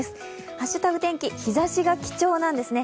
「＃ハッシュタグ天気」、日ざしが貴重なんですね